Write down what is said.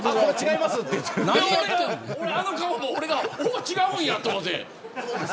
あの顔、俺が違うんやと思って。